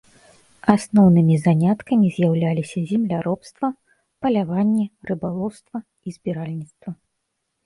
Асноўнымі заняткамі з'яўляліся земляробства, паляванне, рыбалоўства і збіральніцтва.